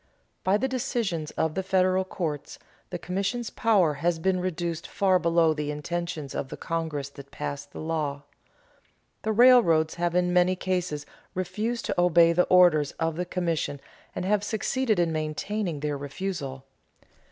By the decisions of the federal courts, the commission's power has been reduced far below the intentions of the Congress that passed the law. The railroads have in many cases refused to obey the orders of the commission and have succeeded in maintaining their refusal.